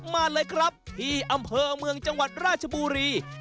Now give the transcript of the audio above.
มาเลยครับที่อำเภอเมืองจังหวัดราชบุรี